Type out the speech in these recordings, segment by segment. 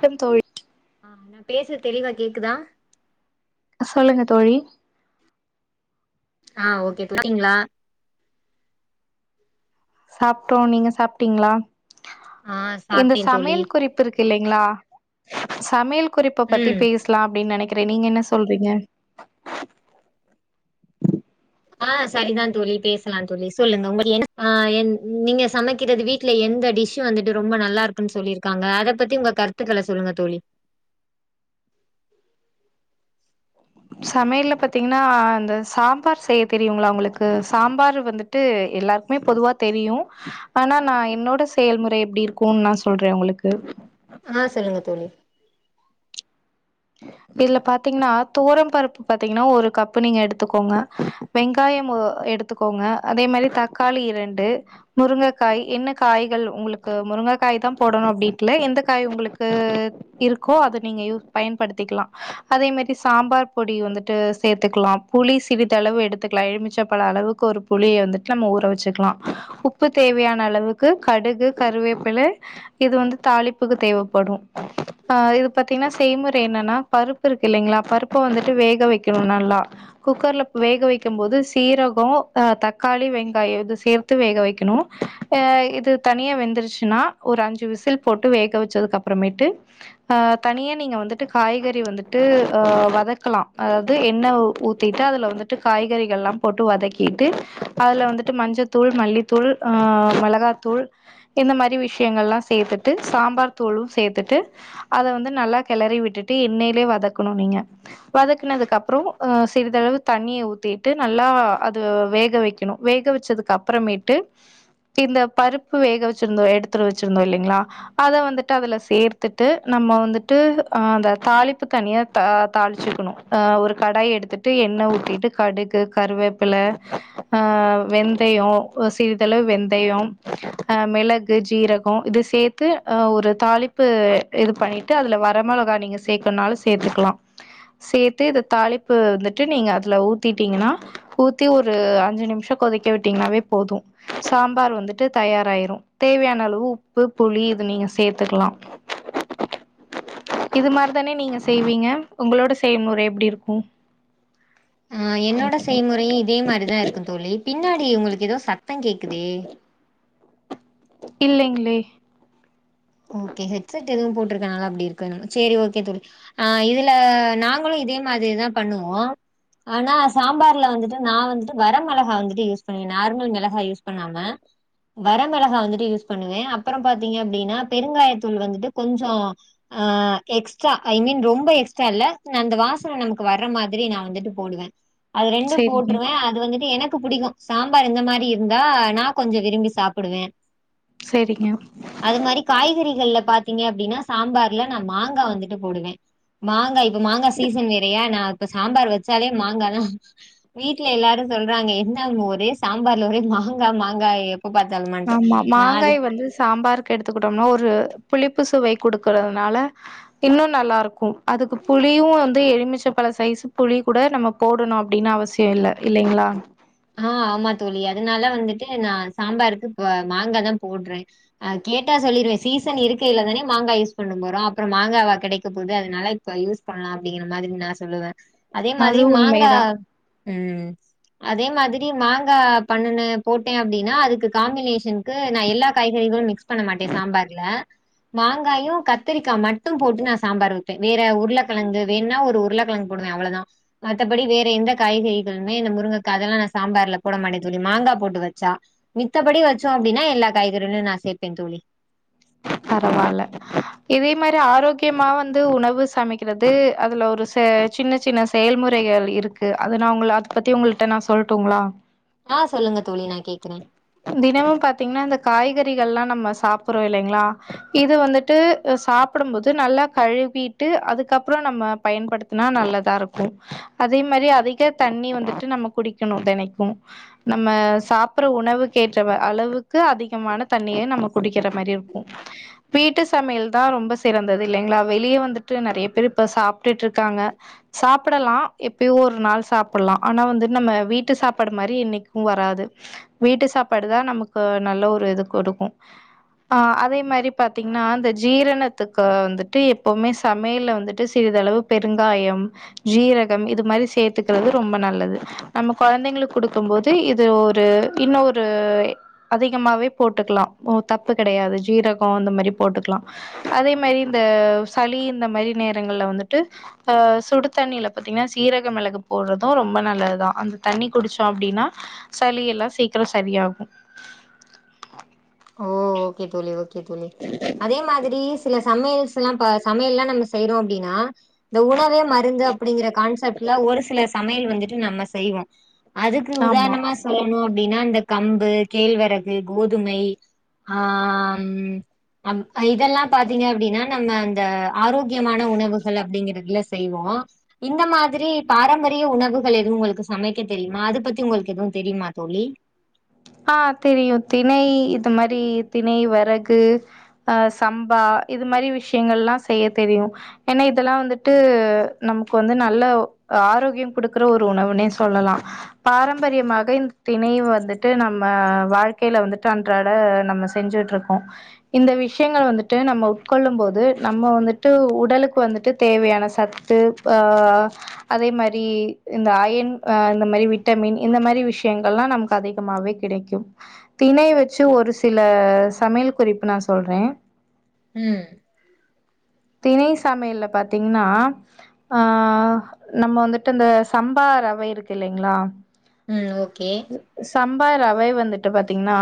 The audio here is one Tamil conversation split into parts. பொண் தோழி ஆ நா பேசுறது தெளிவா கேக்குதா சொல்லுங்க தோழி ஆ ஓகே நல்லாருகீங்களா சாப்ட்டோ நீங்க சாப்ட்டீங்களா ஆ இந்த சாப்ட்டே தோழி சமையல் குறிப்பிற்க் இல்லைங்களா சமையல் குறிப்ப பத்தி ம் பேசலானு அப்படினு நெனைக் கறே நீங்க என்ன சொல்றீங்க ஆ சரிதா தோழி பேசலா தோழி சொல்லுங்க உங்க என் ஆ என் நீங்க சமைக்கறது வீட்டுல எந்த டிஷ்சு வந்துட்டு ரொம்ப நல்லா இருக்குன்னு சொல்லிருக்காங்க அத பத்தி உங்க கருத்துக்கள சொல்லுங்க தோழி சமையல்ல பாத்தீங்கன்னா இந்த சாம்பார் செய்ய தெரியுங்களா உங்களுக்கு சாம்பார் வந்துட்டு எல்லாருக்குமே பொதுவா தெரியு ஆனா நா என்னோட செயல்முறை எப்படி இருக்குனு நா சொல்றே உங்களுக்கு ஆ சொல்லுங்க தோழி இதுல பாத்தீங்கன்னா தோரம் பருப்பு பாத்தீங்கன்னா ஒரு கப்பு நீங்க எடுத்துக்கோங்க வெங்காயம் எடுத்துக்கோங்க அதே மாதிரி தக்காளி இரண்டு முருங்கைக்காய் என்ன காய்கள் உங்களுக்கு முருங்கைக்காய் தான் போடணும் அப்படின்ட்டுல எந்த காய் உங்களுக்கு இருக்கோ அது நீங்க யூஸ் பயன்படுத்திக்கலா அதே மாரி சாம்பார் பொடி வந்துட்டு சேத்துக்கலா புளி சிறிதளவு எடுத்துக்கலா எழுமிச்ச பல அளவுக்கு ஒரு புளிய வந்துட்டு நம்ம ஊற வெச்சுக்கலா உப்பு தேவையான அளவுக்கு கடுகு கருவேப்பில இது வந்து தாளிப்புக்கு தேவைப்படு ஆ இது பாத்தீனா செய்முறை என்னனா பருப்பு இருக்கு இல்லிங்களா பருப்பே வந்துட்டு வேக வைக்கணு நல்லா குக்கர்ல வேக வெக்கு போது சீரகோ அ தக்காளி வெங்காயோ இத சேத்து வேக வெக்கணு அ இது தனியா வெந்துருச்சுன்னா ஒரு அஞ்சு விசில் போட்டு வேக வெச்சதுக்கு அப்பறமேட்டு ஆ தனியன் வந்துட்டு காய்கறி வந்துட்டு வதக்கலா அதாது எண்ணெ ஊத்திட்டு அதுல வந்துட்டு காய்கறிகள்லா போட்டு வதக்கிட்டு அதுல வந்துட்டு மஞ்சத்தூள் மல்லித்தூள் ஆ மெளகாத்தூள் இந்த மாரி விஷியங்கள்லா சேத்துட்டு சாம்பார் தூளு சேத்துட்டு அத வந்து நல்லா கெளறி விட்டுட்டு என்னையிலே வதக்கணு நீங்க வதக் அப்றோ சிறிதளவு தண்ணியை ஊத்தி ட்டு நல்லா அது வேக வைக்கணு வேக வெச்சதுக்கு அப்பறமேட்டு இந்த பருப்பு வேக வெச்சிருந்தோ எடுத்துற வெச்சிருந்தோ இல்லைங்களா அத வந்துட்டு அதுல சேர்த்துட்டு நம்ம வந்து ட்டு ஆ அந்த தாளிப்பு தனியா தா தாளிச்சுக்கணு ஒரு கடாயை எடுத்துட்டு எண்ணெய் ஊத்திட்டு கடுகு கருவேப்பிலே வெந்தயோ சிறிதளவு வெந்தயோ ஆ மெளகு ஜீரகோ இத சேத்து ஒரு தாளிப்பு இது பண்ணி ட்டு அதுல வர மொளகா நீங்க சேக்கன்னாலு சேத்துக்கலா சேத்து இத தாளிப்பு வந்துட்டு நீங்க அதுல ஊத்திட்டீங்கன்னா ஊத்தி ஒரு அஞ்சு நிமிஷொ கொதிக்க விட்டீங்கன்னாவே போது சாம்பார் வந்துட்டு தயாராயிரு தேவையான அளவு உப்பு புளி இது நீங்க சேத்துக்குலா இது மாரிதான நீங்க செய்வீங்க உங்களோட செய்முறை எப்டி இருக்கு ஆ என்னோட செய்முறையு இதே மாரிதா இருக்கு தோழி பின்னாடி உங்களுக்கு ஏதோ சத்தங் கேக் குதே இல்லைங்ளே ஓகே ஹெட் செட் எதுவு போட் ருக்குறனால அப்டி இருக்கோ என்னவோ சேரி ஓகே தோழி ஆ இதுல நாங்களு இதே மாதிரிதா பண்ணுவோ ஆனா சாம்பார்ல வந்துட்டு நா வந்துட்டு வரமெளகா வந்துட்டு யூஸ் பண்ணி நார்மல் மெளகாய் யூஸ் பண்ணாம வரமெளகா வந்துட்டு யூஸ் பண்ணுவே அப்பறோ பாத்தீங்க அப்டின்னா பெருங்காயத்தூள் வந்துட்டு கொஞ்சோ அ எக்ஸ்ட்ரா ஐ மீன் ரொம்ப எக்ஸ்ட்ரா இல்ல அந்த வாசன நமக்கு வர்ற மாதிரி நா வந்துட்டு போடுவ அது ரெண்டு சேரிங்க போட்ருவ அது வந்து டு எனக்கு புடிக்கு சாம்பார் இந்த மாரி இருந்தா நா கொஞ்சோ விரும்பி சாப்புடுவ சேரிங்க காய்கறிகள்ல பாத்தீங்க அப்டின்னா சாம்பார்ல நா மாங்கா வந்துட்டு போடுவ மாங்காய் மாங்கா சீசன் வேறையா நா இப்ப சாம்பார் வெச்சாலே மாங்காதா வீட்ல எல்லாரு சொல்றாங்க என்ன அம்மு ஒரே சாம்பார்ல ஒரே மாங்கா மாங்காய் ஆமா மாங்காய் வந்து சாம்பாருக்கு எடுத்துக்குட்டோம்னா ஒ ரு புளிப்பு சுவை குடுக்குறதுனால இன்னு நல்லா இருக்கு அதுக்கு புளியு வந்து எலுமிச்சப் பழ சைசு புளி கூட நம்ம போடணு அப்டின்னு அவசியோ இல்ல இல்லைங்களா ஆ ஆமா தோழி அதுனால வந்துட்டு நா சாம்பாருக்கு இப்ப மாங்காதா போட்றே அ கேட்டா சொல்லிருவே சீசன் இருக்கயில தானே மாங்கா யூஸ் பண்ண போறோ அப்றோ மாங்காவா கெடைக்கப் போது அதுனால இப்ப யூஸ் பண்லா அப்டிங்கிற மாரி நா சொல்லுவ அதே மாதிரி அது மாங்கா உண்மைதா ம் அதே மாதிரி மாங்கா பண்ணுனே போட்டே அப்டின்னா அதுக்கு காம்பினேஷன்க்கு நா எல்லா காய்கறிகளு மிக்ஸ் பண்ண மாட்டே சாம்பார்ல மாங்காயு கத்திரிக்கா மட்டு போட்டு நா சாம்பார் வெப்பே வேற உருளக்கெழங்கு வேணுன்னா ஒரு உருளக்கெழங்கு போடுவே அவ்ளோதா மத்தப்படி வேற எந்த காய்கறிகளுமே இந்த முருங்க கா அதல்லா நா சாம்பார்ல போட மாட்டே தோழி மாங்கா போட்டு வச்சா மித்தப்படி வெச்சோ அப்டின்னா எல்லா காய்கறிகளயு நா சேப்பே தோழி பரவால்ல இதே மாரி ஆரோக்கியமா வந்து உணவு சமைக்கிறது அதுல ஒரு சே சின்னச் சின்ன செயல்முறைகள் இருக்கு அது நா உங்கள அதப் பத்தி நா உங்கள்ட்ட சொல்ட்டுங்களா ஆ சொல்லுங்க தோழி நான் கேக்குறேன். தினமும் பாத்தீங்னா இந்த காய்க றிகள்லா நம்ம சாப்புர்றோ இல்லைங்ளா இது வந்துட்டு அ சாப்டும்போது நல்லா கழுவிட்டு அதுக்கப்றோ நம்ம பயன்படுத்துனா நல்லதா இருக்கு அதே மாரி அதிக தண்ணி வந்துட்டு நம்ம குடிக்கணு தெனைக்கு நம்ம சாப்புர்ற உணவுக்கேற்ற வ அளவுக்கு அதிகமான தண்ணிய நம்ம குடிக்கிற மாரி இருக்கு வீட்டு சமையல்தா ரொம்ப சிறந்தது இல்லைங்ளா வெளிய வந்துட்டு நறைய பேர் இப்ப சாப்ட்டுட்ருக்காங்க சாப்புடலா எப்பயோ ஒரு நாள் சாப்புல்லா ஆனா வந்து நம்ம வீட்டு சாப்பாடு மாரி என்னைக்கு வராது வீட்டு சாப்பாடுதா நமக்கு நல்ல ஒரு இது குடுக்கு ஆ அதே மாரி பாத்தீங்னா அந்த ஜீரணத்துக்கு வந்துட்டு எப்பவ்மே சமையல வந்துட்டு சிறிதளவு பெருங்காயம் ஜீரகம் இது மாரி சேத்துக்குறது ரொம்ப நல்லது நம்ம கொழந்தைங்களுக் குடுக்கும்போது இது ஒரு இன்னொரு அதிகமாவே போட்டுக்கலா தப்பு கெடையாது ஜீர கொ இந்த மாரி போட்டுக்லா அதே மாரி இந்த சளி இந்த மாரி நேரங்கள்ல வந்துட்டு அ சுடு தண்ணியில பாத்தீங்னா சீரக மெளகு போட்றது ரொம்ப நல்லதுதா அந்த தண்ணி குடிச்சோ அப்டின்னா சளி எல்லா சீக்கெரோ சரியாகு ஓ ஓகே தோழி ஓ கே தோழி அதே மாதிரி சில சமையல்ஸ்லா ப சமையல்லா நம்ம செய்றோ அப்டின்னா இந்த உணவே மருந்து அப்டிங்கிற கான்செப்ட்ல ஒரு சில சமையல் வந்துட்டு நம்ம செய்வோ அதுக்கு ஆமா. உதாரணமா சொல்லணு அப்டின்னா இந்த கம்பு கேழ்வரகு கோதுமை ஆ ம் அம் அ இதெல்லா பாத்தீங்க அப்டின்னா நம்ம அந்த ஆரோக்கியமான உணவுகள் அப்டிங்கிறது ல்ல செய்வோ இந்த மாதிரி பாரம்பரிய உணவுகள் எதுவு உங்களுக்கு சமைக்க தெரியுமா அத பத்தி உங்களுக்கு எதுவு தெரியுமா தோழி ஆஹ் தெரியு திணை இது மாரி திணை வரகு அஹ் சம்பா இது மாரி விஷயங்கெல்லா செய்ய தெரியு ஏன்னா இதெல்லா வந்துட்டு நமக்கு வந்து நல்ல ஆரோக்கிய கொடுக்குற ஒரு உணவுனே சொல்லலா பாரம்பரியமாக இந்த திணை வந்துட்டு ட்டு நம்ம வாழ்க்கையில வந்துட்டு அன்றாட நம்ம செஞ்சுட்ருக்கோ இந்த விஷயங்க வந்துட்டு நம்ம உட்கொள்ளும் போது நம்ம வந்துட்டு உடலுக்கு வந்துட்டு தேவையான சத்து ஆஹ் அதே மாரி இந்த அயன் இந்த மாரி விட்டமின் இந்த மாரி விஷயங்கல்லா நமக்கு அதி மாவே கிடைக்கும் திணை வச்சு ஒரு சில சமையல் குறிப்பு நா சொல்றே உம் திணை சமையல்ல பாத்தீங்கன்னா ஆஹ் நம்ம வந்துட்டு இந்த சம்பா ரவை இருக்கு இல்லைங்களா உம் ஓகே சம்பா ரவை வந்துட்டு பாத்தீங்கன்னா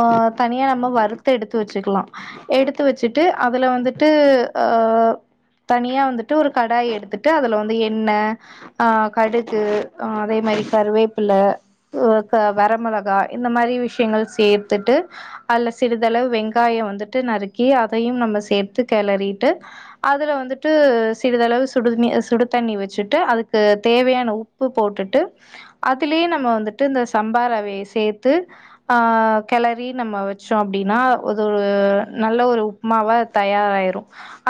ஹ் தனியா நம்ம வறுத்து எடுத்து வச்சுக்கலா எடுத்து வச்சுட்டு அதுல வந்துட்டு ஹ் தனியா வந்துட்டு ஒரு கடாய் எடுத்துட்டு அதில வந்து எண்ணெ ஆ கடுகு அதே மாதிரி கருவேப்பில [unintelligible] வரமிளகா இந்த மாதிரி விஷயங்கள் சேர்த்துட்டு அதுல சிறிதளவு வெங்காய வந்துட்டு நறுக் கி அதையும் நம்ம சேர்த்து கிளரிட்டு அதுல வந்துட்டு சிறிதளவு சுடு தண்ணி சுடு தண்ணி வச்சட்டு அதுக்கு தேவையான உப்பு போட்டுட்டு அதிலியு நம்ம வந்துட்டு இந்த சம்பா ரவைய சேர்த்து ஆஹ். கிளரி நம்ம வச்சோ அப்டின்னா அது ஒரு நல்ல ஒரு உப்புமாவா தயாராயிரு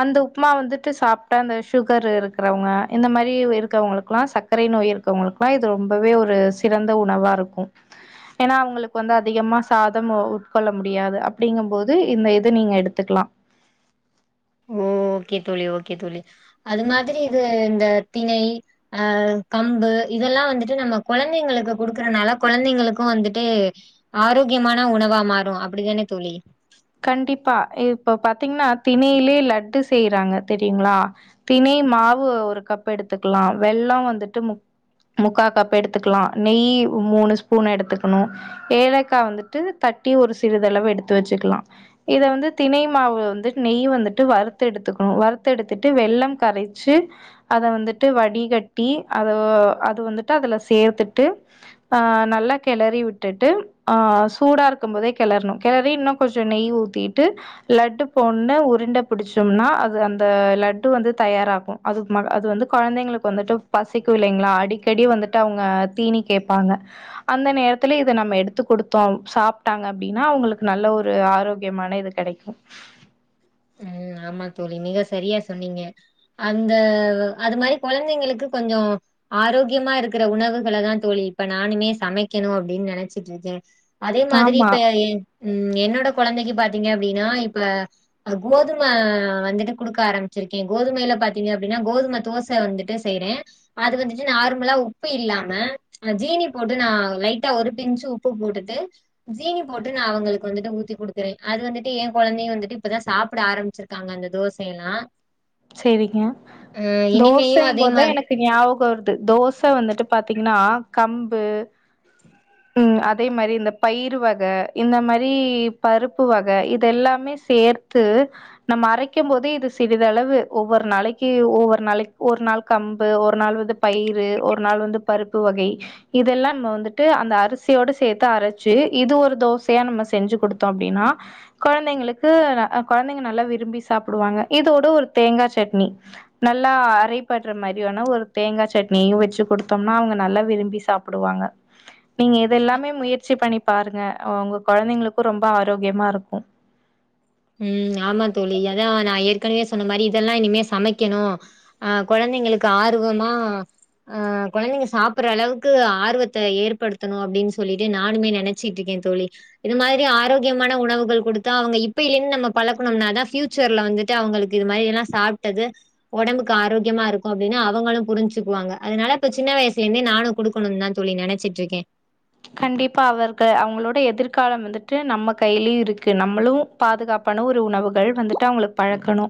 அந்த உப்புமா வந்துட்டு சாப்பிட்டா அந்த சுகர் இருக்கிறவங்க இந்த மாதிரி இருக்கிறவங்களுக்குலா சர்க்கரை நோய் இருக்கிறவங்களுக்குலா இது ரொம்பவே ஒரு சிறந்த உணவாக இருக்கு ஓ [inaudible] ஏன்னா அவங்களுக்கு வந்து அதிகமா சாதம் உட்கொள்ள முடியாது அப்டிங்கு போது இந்த இது நீங்க எடுத்துக்கலா ஓ ஓகே தோழி ஓகே தோழி அது மாதிரி இது இந்த திணை அஹ் கம்பு இதெல்லா வந்துட்டு நம்ம குழந்தைங்களுக்கு குடுக்கறதனால குழந்தைங்களுக்கு வந்துட்டு ஆரோக்கியமான உணவா மாறு அப்டித்தானே தோழி கண்டிப்பா இப்ப பாத்தீங்கன்னா திணையிலயே லட்டு செய்யறாங்க தெரியுங்களா திணை மாவு ஒரு கப் எடுத்துக்கலா வெள்ள வந்துட்டு முக் முக்கா கப் எடுத்துக்கலா நெய் மூணு ஸ்பூன் எடுத்துக்கணு ஏலக்கா வந்துட்டு தட்டி ஒரு சிறிதளவு எடுத்து வச்சுக்கலா இத வந்து திணை மாவு வந்துட்டு நெய் வந்துட்டு வறுத்து எடுத்துக்கணு வறுத்து எடுத்துட்டு வெள்ளம் கரைச்சு அத வந்துட்டு வடிகட்டி அத அது வந்துட்டு அதுல சேர்த்துட்டு ஆஹ் நல்லா கிளறி விட்டுட்டு ஆஹ் சூடா இருக்கு போதே கிளறணு கிளறி இன்னு கொஞ்ச நெய் ஊத்திட்டு லட்டு போன்ற உருண்டை பிடிச்சோம்னா அது அந்த லட்டு வந்து தயாராகு அது அது வந்து குழந்தைங்களுக்கு வந்துட்டு பசிக்கோ இல்லைங்களா அடிக்கடி வந்துட் டு அவங்க தீனி கேட்பாங்க அந்த நேரத்துல இத நம்ம எடுத்து கொடுத்தோ சாப்பிட்டாங்க அப்டின்னா அவங்களுக்கு நல்ல ஒரு ஒரு ஆரோக்கியமான இது கிடைக்கு உம் ஆமா தோழி மிக சரியா சொன்னீங்க அந்த அது மாதிரி குழந்தைங்களுக்கு கொஞ்ச ஆரோக்கியமா இருக்கிற உணவுகள தா தோழி இப்ப நானுமே சமைக்கணு அப்டின்னு நினைச்சிட்டு இருக்கே அதே மாதிரி ஆமா. இப்ப என் உம் என்னோட குழந்தைக்கு பாத்தீங்க அப்டின்னா இப்ப கோதும வந்துட்டு கொடுக்க ஆரம்பிச்சிருக்கே கோதுமையில பாத்தீங்க அப்டின்னா கோதுமை தோசை வந்துட்டு செய்றே அது வந்துட்டு நார்மலா உப்பு இல்லாம ஜீனி போட்டு நா லைட்டா ஒரு பி்ன்சு உப்பு போட்டுட்டு ஜீனி போட்டு நா அவங்களுக்கு வந்துட்டு ஊத்தி குடுக்குறே அது வந்துட்டு என் குழந்தையு வந்துட்டு இப்பதா சாப்பிட ஆரம்பிச்சிருக்காங்க அந்த தோசையெல்லா சரிங்க இனிமேயும் தோசைன்னு அதே போது மா தா எனக்கு ஞாபக வருது தோ சா வந்துட்டு பாத்தீங்கன்னா கம்பு உம் அதே மாரி இந்த பயிர் வக இந்த மாரி பருப்பு வக இத எல்லாமே சேர்த்து நம்ம அரைக்கும் போதே இது சிறிதளவு ஒவ்வொரு நாளைக்கு ஒவ்வொரு நாளைக்கு ஒரு நாள் கம்பு ஒரு நாள் வந்து பயிறு ஒரு நாள் வந்து பருப்பு வகை இதெல்லா நம்ம வந்துட்டு அந்த அரிசியோடு சேர்த்து அரைச்சு இது ஒரு தோசையா நம்ம செஞ்சு கொடுத்தோம் அப்டின்னா குழந்தைங்களுக்கு குழந்தைங்க நல்லா விரும்பி சாப்பிடுவாங்க இதோட ஒரு தேங்கா சட்னி நல்லா அரைபடுற மாரி வேனா ஒரு தேங்கா சட்னியையு வச்சு குடுத்தோம்னா அவங்க நல்லா விரும்பி சாப்பிடுவாங்க நீங்க இது எல்லாமே முயற்சி பண்ணி பாருங்க உங்க குழந்தைங்களுக்கு ரொம்ப ஆரோக்கியமா இருக்கு உம் ஆமா தோழி அதா நா ஏற்கனவே சொன்ன மாரி இதெல்லா இனிமே சமைக்கணு ஆஹ் குழந்தைங்களுக்கு ஆர்வமா ஆஹ் குழந்தைங்க சாப்பிடுற அளவுக்கு ஆர்வத்தை ஏற்படுத்தணு அப்டின்னு சொல்லிட்டு நானுமே நினைச்சிட்டு இருக்கே தோழி இது மாரி ஆரோக்கியமான உணவுகள் கொடுத்தா அவங்க இப் இப்பயிலேருந்து நம்ம பழக்கணும்னாதா ஃபியூச்சர்ல வந்துட்டு அவங்களுக்கு இது மாரி எல்லா சாப்பிட்டது உடம்புக்கு ஆரோக்கியமா இருக்கு அப்டின்னு அவங்களும் புரிஞ்சுக்குவாங்க அதனால இப்ப சின்ன வயசுலே இருந்தே நானு கொடுக்கணுனு தா தோழி நினைச்சிட்டு இருக்கே கண்டிப்பா அவர்க அவங்களோட எதிர்காலம் வந்துட்டு நம்ம கையிலயு இருக்கு நம்மளு பாதுகாப்பான ஒரு உணவுகள் வந்துட்டு அவங்களுக்கு பழக்கணு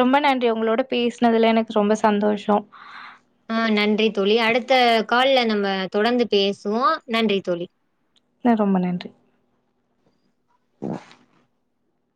ரொம்ப நன்றி உங்களோட பேசினதுல எனக்கு ரொம்ப சந்தோஷ ஆஹ் நன்றி தோழி அடுத்த கால்ல நம்ம தொடர்ந்து பேசுவோ நன்றி தோழி ஆஹ் ரொம்ப நன்றி